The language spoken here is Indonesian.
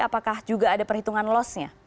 apakah juga ada perhitungan loss nya